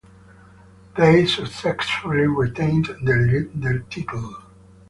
They successfully retained the title.